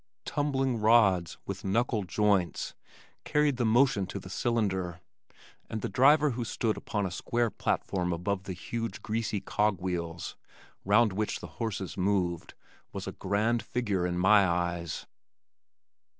"Tumbling rods" with "knuckle joints" carried the motion to the cylinder, and the driver who stood upon a square platform above the huge, greasy cog wheels (round which the horses moved) was a grand figure in my eyes.